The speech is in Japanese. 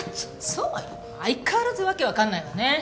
そうよ！相変わらず訳わかんないわね。